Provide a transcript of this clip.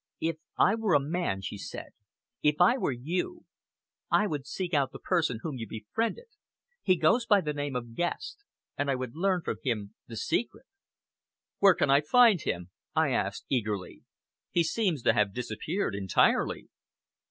"If I were a man," she said "if I were you, I would seek out the person whom you befriended he goes by the name of Guest and I would learn from him the secret!" "Where can I find him?" I asked eagerly. "He seems to have disappeared entirely."